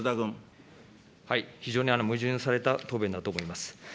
非常に矛盾された答弁だと思います。